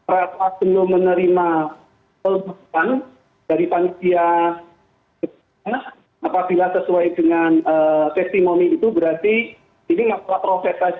rakyat masjid nur menerima peluang dari pantia ketiga apabila sesuai dengan testimoni itu berarti ini maksudnya proses saja